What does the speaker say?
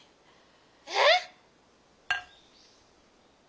えっ！？